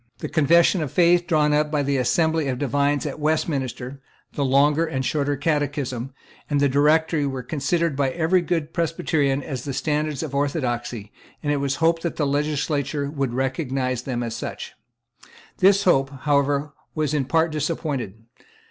The Confession of Faith drawn up by the Assembly of Divines at Westminster, the Longer and Shorter Catechism, and the Directory, were considered by every good Presbyterian as the standards of orthodoxy; and it was hoped that the legislature would recognise them as such, This hope, however, was in part disappointed.